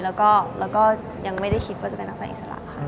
แล้วก็ยังไม่ได้คิดว่าจะเป็นนักแสดงอิสระค่ะ